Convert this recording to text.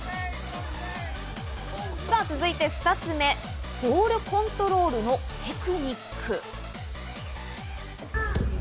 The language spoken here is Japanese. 続いて２つ目、ボールコントロールのテクニック。